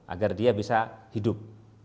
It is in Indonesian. agar dia bisa hidup